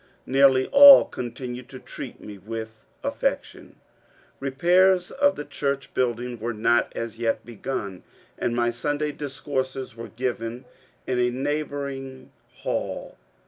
Nearly all continued to treat me with affection. Eepairs of the church building were not as yet begun, and my Sunday discourses were given in a neighbouring hall.